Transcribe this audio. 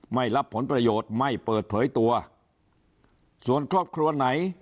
ไม่รับผลประโยชน์ไม่เปิดเผยตัวส่วนครอบครัวไหน